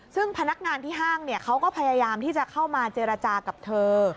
ซึ่งพนักงานที่ห้างเขาก็พยายามที่จะเข้ามาเจรจากับเธอ